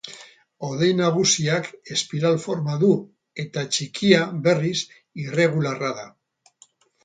Hodei Nagusiak espiral forma du, eta Txikia, berriz, irregularra da.